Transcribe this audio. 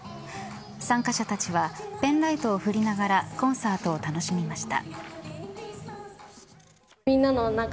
参加者たちはペンライトを振りながらコンサートを楽しみました。